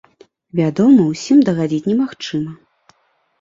Вядома, усім дагадзіць немагчыма.